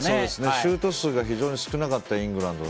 シュート数が非常に少なかったイングランド。